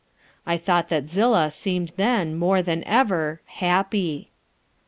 I thought that Zillah seemed then more than ever happy.